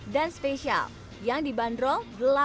dan spesial yang dibanderol rp delapan belas per porsi